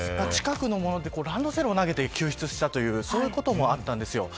近くのものでランドセルを投げて救出したというそういうこともあったんです。